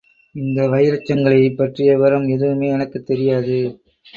இந்த வைரச் சங்கிலியைப் பற்றிய விவரம் எதுவுமே எனக்குத் தெரியாது.